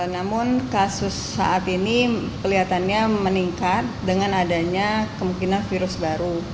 namun kasus saat ini kelihatannya meningkat dengan adanya kemungkinan virus baru